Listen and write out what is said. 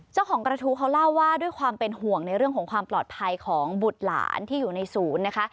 เจ้าของกระทู้เขาเล่าว่าด้วยความเป็นห่วงในเรื่องของความปลอดภัยของบุตรหลานที่อยู่ในศูนย์นะคะ